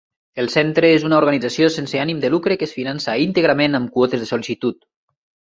El Centre és una organització sense ànim de lucre que es finança íntegrament amb quotes de sol·licitud.